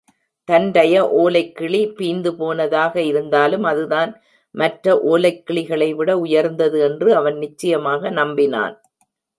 தன்டைய ஓலைக்கிளி பிய்ந்து போனதாக இருந்தாலும் அதுதான் மற்ற ஓலைக்கிளிகளைவிட உயர்ந்தது என்று அவன் நிச்சயமாக நம்பினான்.